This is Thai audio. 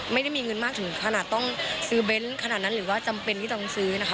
ไม่ได้มีเงินมากถึงขนาดต้องซื้อเบนท์ขนาดนั้นหรือว่าจำเป็นที่ต้องซื้อนะคะ